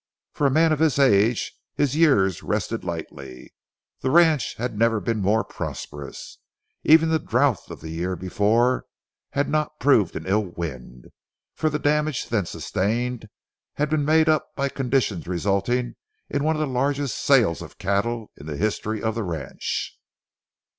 For a man of his age, his years rested lightly. The ranch had never been more prosperous. Even the drouth of the year before had not proved an ill wind; for the damage then sustained had been made up by conditions resulting in one of the largest sales of cattle in the history of the ranch.